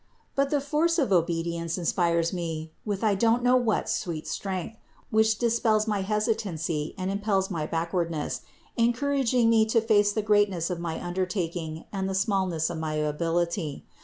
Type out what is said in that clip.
But the force of obedience inspires me with I do not know what sweet strength, which dispels my hesitancy and impels my backwardness, en couraging me to face the greatness of my undertaking and the smallness of my ability.